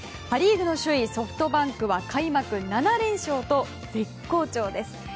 パ・リーグの首位ソフトバンクは開幕７連勝と絶好調です。